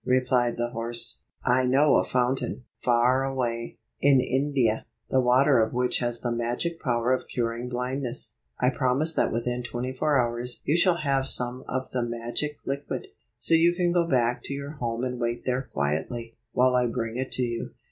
replied the horse. " I know a fountain, far away 157 in India, the water of which has the magic power of curing blindness. I promise that within twenty four hours you shall have some of the magic liquid ; so you can go back to your home and wait there quietly, while I bring it to you."